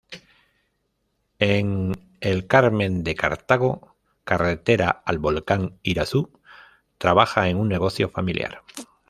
En El Carmen de Cartago, carretera al Volcán Irazú, trabaja en un negocio familiar.